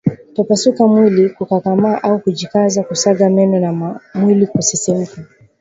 Kupepesuka mwili kukakamaa au kujikaza kusaga meno na mwili kusisimka